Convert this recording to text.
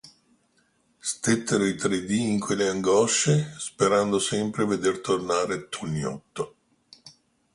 Stettero i tre dì in quelle angosce, sperando sempre veder tornar Toniotto.